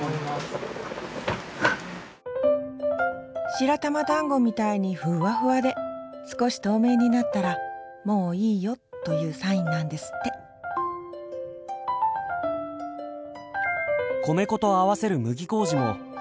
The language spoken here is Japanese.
白玉だんごみたいにふわふわで少し透明になったら「もういいよ」というサインなんですって米粉と合わせる麦麹も手作りしています。